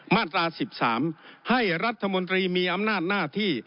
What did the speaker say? มาตรา๑๓ให้รัฐมนตรีมีอำนาจหน้าที่